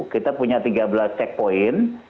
kita punya tiga belas checkpoint